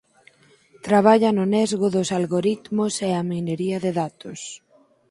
Traballa no nesgo dos algoritmos e a minería de datos.